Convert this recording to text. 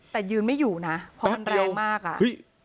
แต่ยืนไม่อยู่นะเพราะมันเร็วมากอ่ะ